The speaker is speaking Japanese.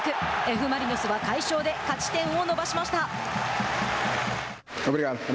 Ｆ・マリノスは快勝で勝ち点を伸ばしました。